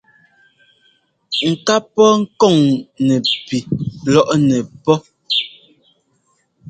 Ŋ ká pɔ́ kɔŋ nɛpi lɔ́ŋnɛ́ pɔ́.